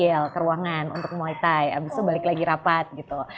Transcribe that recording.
untuk kembang untuk muay thai abis itu balik lagi rapat gitu